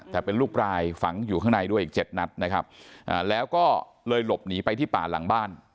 แต่เป็นลูกปลายฝังอยู่ข้างในด้วยอีกเจ็ดนัดนะครับแล้วก็เลยหลบหนีไปที่ป่าหลังบ้าน